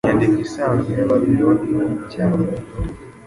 Inyandiko isanzwe ya Babiloninini cyane